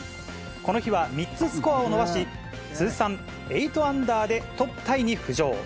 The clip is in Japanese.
この日は３つスコアを伸ばし、通算８アンダーでトップタイに浮上。